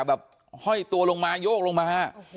ห้อยตัวลงมาโยกลงมา